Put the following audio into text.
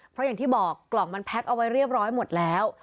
เพราะอย่างที่บอกกล่องมันแพ็คเอาไว้เรียบร้อยหมดแล้ว